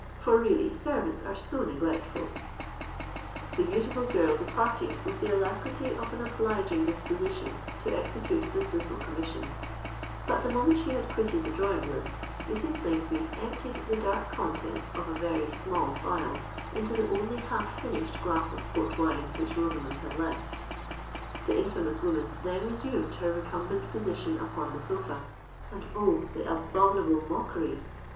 For really servants are so neglectful——" The beautiful girl departed with the alacrity of an obliging disposition to execute this little commission:—but the moment she had quitted the drawing room, Mrs. Slingsby emptied the dark contents of a very small phial into the only half finished glass of Port wine which Rosamond had left. The infamous woman then resumed her recumbent position upon the sofa; and—oh! the abominable mockery!